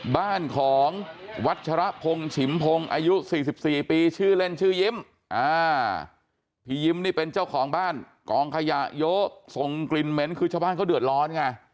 บ้านของวัชรพงศ์ฉิมพงศ์อายุ๔๔ปีชื่อเล่นชื่อยิ้มพี่ยิ้มนี่เป็นเจ้าของบ้านกองขยะเยอะส่งกลิ่นเหม็นคือชาวบ้านเขาเดือดร้อนไง